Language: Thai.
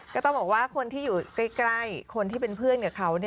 ก็ต้องบอกว่าคนที่อยู่ใกล้คนที่เป็นเพื่อนกับเขา